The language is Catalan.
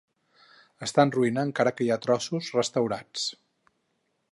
Està en ruïna encara que hi ha trossos restaurats.